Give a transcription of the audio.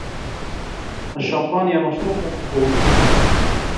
الشّامبانيا مشروب كحولي.